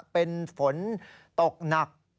เป็นฝนตกหนัก